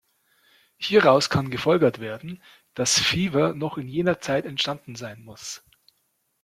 Hieraus kann gefolgert werden, dass Fever noch in jener Zeit entstanden sein muss.